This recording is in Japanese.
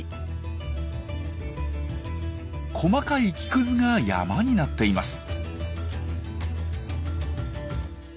細かい木くずが山になっています。